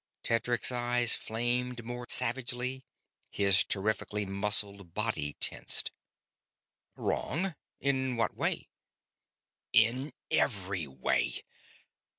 Tedric's eyes flamed more savagely, his terrifically muscled body tensed. "Wrong? In what way?" "In every way!"